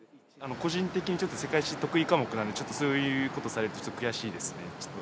個人的にちょっと世界史、得意科目なんで、ちょっとそういうことされると、ちょっと悔しいですね。